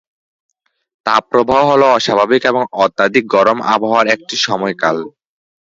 তাপপ্রবাহ হল অস্বাভাবিক এবং অত্যধিক গরম আবহাওয়ার একটি সময়কাল।